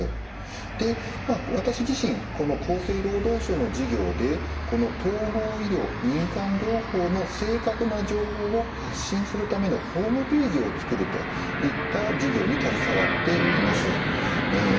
で私自身この厚生労働省の事業でこの統合医療民間療法の正確な情報を発信するためのホームページを作るといった事業に携わっています。